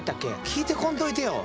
聞いてこんといてよ。